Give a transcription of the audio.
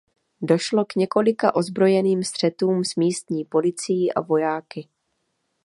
Došlo k několika ozbrojeným střetům s místní policií a vojáky.